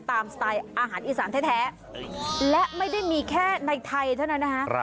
สไตล์อาหารอีสานแท้และไม่ได้มีแค่ในไทยเท่านั้นนะคะ